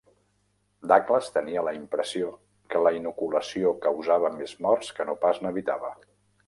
Douglass tenia la impressió que la inoculació causava més morts que no pas n'evitava.